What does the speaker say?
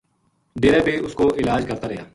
ڈیرے بے اس کو علاج کرتا رہیا